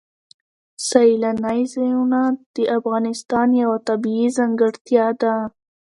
سیلانی ځایونه د افغانستان یوه طبیعي ځانګړتیا ده.